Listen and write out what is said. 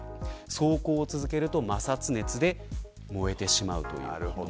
走行を続けると摩擦熱で燃えてしまうという。